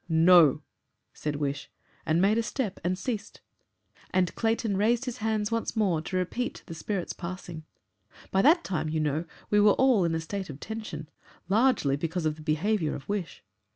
"NO," said Wish, and made a step and ceased, and Clayton raised his hands once more to repeat the spirit's passing. By that time, you know, we were all in a state of tension largely because of the behaviour of Wish.